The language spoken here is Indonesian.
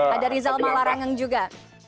ada rizal malarangeng juga